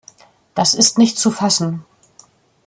Das ist nicht zu fassen.